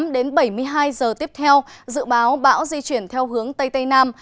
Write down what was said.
bốn mươi tám đến bảy mươi hai giờ tiếp theo dự báo bão di chuyển theo hướng tây tây nam